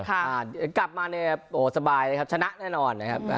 ต้องกลับมาชนะแน่นอน